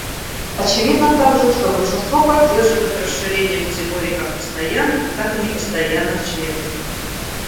Очевидно также, что большинство поддерживает расширение категорий как постоянных, так и непостоянных членов.